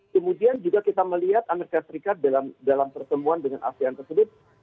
kemudian juga kita melihat amerika serikat dalam pertemuan dengan asean tersebut